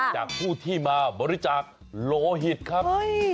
จากผู้ที่มาบริจาคโลหิตครับ